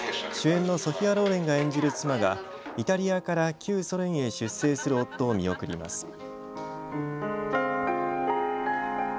主演のソフィア・ローレンが演じる妻がイタリアから旧ソ連へ出征する夫を見送ります。